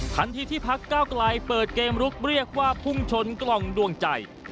ทันทีที่พักเก้าไกลเปิดเกมลุกเรียกว่าพุ่งชนกล่องดวงใจ